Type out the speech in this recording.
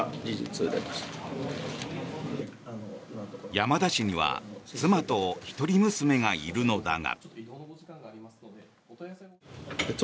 山田氏には妻と一人娘がいるのだが。